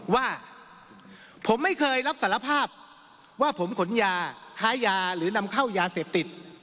ว่าผมไม่เคยรับสารภาพว่าผมขนยาค้ายาหรือนำเข้ายาเสพติด